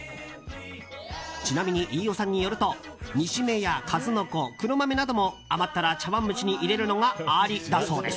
ちなみに飯尾さんによると煮しめや数の子黒豆なども余ったら茶わん蒸しに入れるのがありだろうです。